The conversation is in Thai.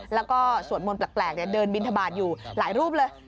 แล้วก็สวดมนต์แปลกเดินบินทบาทอยู่หลายรูปเลย